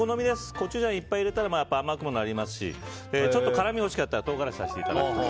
コチュジャンをいっぱい入れたら甘くもなりますしちょっと辛みが欲しかったら唐辛子を足していただいて。